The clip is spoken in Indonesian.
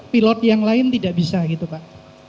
pilot yang lain tidak bisa gitu pak